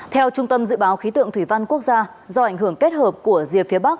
theo trung tâm dự báo khí tượng thủy văn quốc gia do ảnh hưởng kết hợp của rìa phía bắc